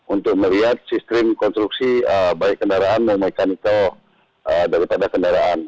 untuk melihat sistem konstruksi baik kendaraan mekaniko daripada kendaraan